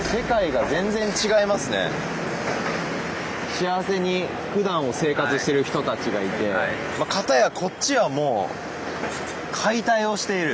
幸せにふだんを生活してる人たちがいて片やこっちはもう解体をしている。